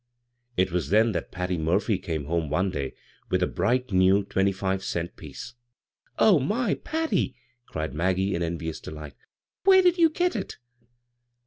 It was then that Patty Murphy came hcHoe one day with a bright new twenty five cent piece. "Oh, my, PaUyl" cried Maggie in en vious delight. " Where did you get it